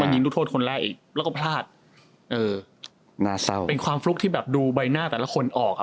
ยิงลูกโทษคนแรกอีกแล้วก็พลาดเออน่าเศร้าเป็นความฟลุกที่แบบดูใบหน้าแต่ละคนออกอ่ะ